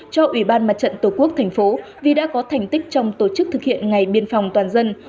cho ủy ban mặt trận tổ quốc thành phố vì đã có thành tích trong tổ chức thực hiện ngày biên phòng toàn dân